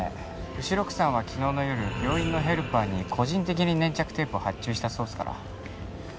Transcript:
後宮さんは昨日の夜病院のヘルパーに個人的に粘着テープを発注したそうっすから。